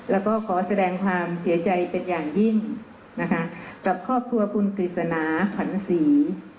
แล้วก็ขอแสดงความเสียใจเป็นอย่างยิ่งนะคะกับครอบครัวคุณกฤษณาขันศรี